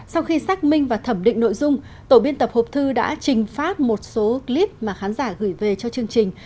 sau khi xác minh và thẩm định nội dung tổ biên tập hộp thư đã trình phát một số clip mà khán giả gửi về cho chương trình